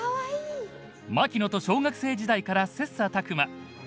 槙野と小学生時代から切磋琢磨。